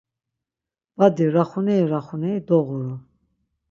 Badi raxuneri raxuneri doğuru.